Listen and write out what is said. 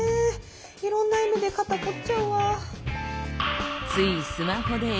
いろんな意味で肩こっちゃうわ。